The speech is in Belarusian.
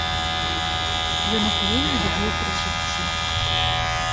Ён іх вельмі любіў пры жыцці.